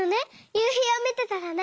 ゆうひをみてたらね。